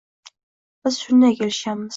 Biz shunday kelishganmiz